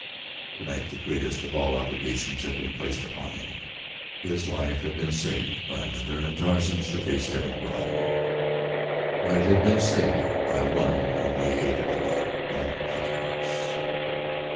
Tonight the greatest of all obligations had been placed upon him his life had been saved by another and Tarzan shook his head and growled, for it had been saved by one whom he hated above all others.